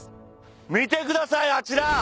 見てくださいあちら。